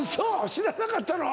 知らなかったの？